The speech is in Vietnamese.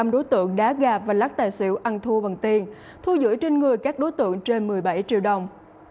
một mươi năm đối tượng đá gà và lát tài xỉu ăn thu bằng tiền thu giữ trên người các đối tượng trên một mươi bảy triệu đồng